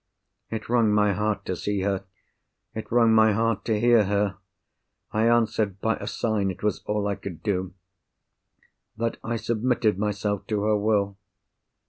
It wrung my heart to see her; it wrung my heart to hear her. I answered by a sign—it was all I could do—that I submitted myself to her will.